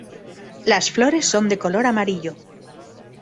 Las flores son de color amarillo.